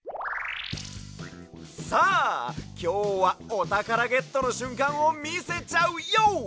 さあきょうはおたからゲットのしゅんかんをみせちゃうＹＯ！